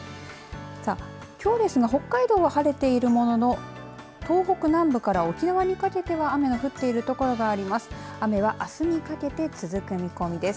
さあ、きょうですが北海道は晴れているものの東北南部から沖縄にかけては雨が降っている所があります。